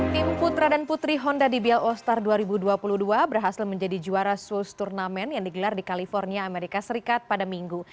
tim putra dan putri honda dbl all star dua ribu dua puluh dua berhasil menjadi juara sus turnamen yang digelar di california amerika serikat pada minggu